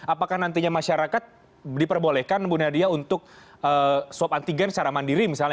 apakah nantinya masyarakat diperbolehkan bu nadia untuk swab antigen secara mandiri misalnya